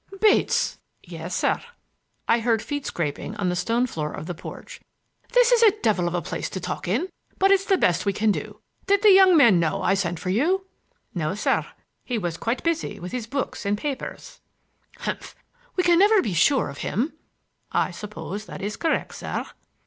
"Bates!" "Yes, sir." I heard feet scraping on the stone floor of the porch. "This is a devil of a place to talk in but it's the best we can do. Did the young man know I sent for you?" "No, sir. He was quite busy with his books and papers." "Humph! We can never be sure of him." "I suppose that is correct, sir."